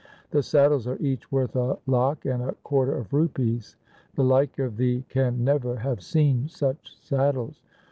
The saddles are each worth a lakh and a quarter of rupees. The like of thee can never have seen such saddles.